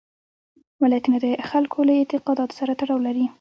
ولایتونه د خلکو له اعتقاداتو سره تړاو لري.